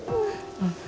うん。